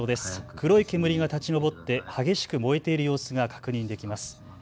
黒い煙が立ち上って激しく燃えている様子が確認できます。